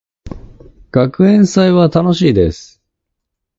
学園祭は楽しいです。